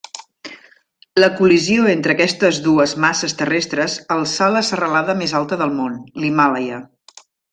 La col·lisió entre aquestes dues masses terrestres alçà la serralada més alta del món, l'Himàlaia.